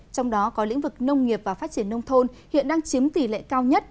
trong đó có lĩnh vực nông nghiệp và phát triển nông thôn hiện đang chiếm tỷ lệ cao nhất